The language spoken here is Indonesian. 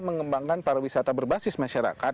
mengembangkan pariwisata berbasis masyarakat